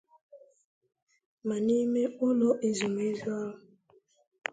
ma n'ime ụlọ ezumeezu ahụ